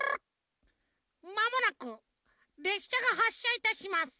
「まもなくれっしゃがはっしゃいたします。